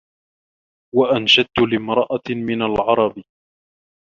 وَأَنْشَدْتُ لِامْرَأَةٍ مِنْ الْعَرَبِ